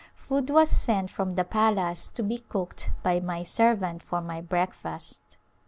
Food was sent from the palace to be cooked by my servant for my breakfast.